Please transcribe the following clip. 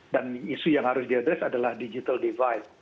dan isu yang harus diadres adalah digital divide